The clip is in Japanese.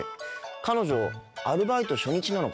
彼女アルバイト初日なのかな。